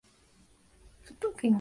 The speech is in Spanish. Auguste Chevalier.